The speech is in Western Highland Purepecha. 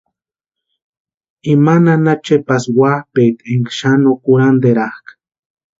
Ima nana Chepasï wapʼeeti énka xani no kurhanterakʼa.